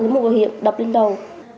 một bộ hiệp đập lên đầu